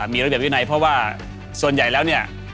มีระเบียบวินัยเพราะว่าส่วนใหญ่แล้วเนี่ย